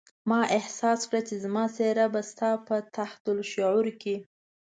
ما احساس کړه چې زما څېره به ستا په تحت الشعور کې.